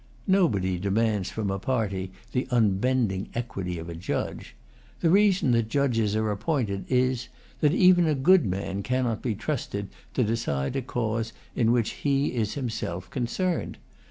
Nobody demands from a party the unbending equity of a judge. The reason that judges are appointed is, that even a good man cannot be trusted to decide a cause in which he is himself concerned.